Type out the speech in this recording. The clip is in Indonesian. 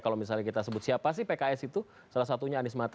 kalau misalnya kita sebut siapa sih pks itu salah satunya anies mata